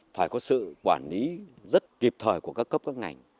phải có sự quản lý rất kịp thời của các cấp các ngành